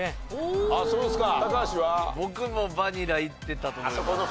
僕もバニラいってたと思います。